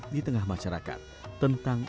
di tengah masyarakat tentang